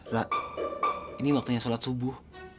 rak ini waktunya sholat subuh